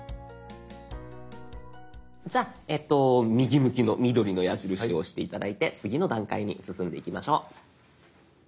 じゃあ右向きの緑の矢印を押して頂いて次の段階に進んでいきましょう。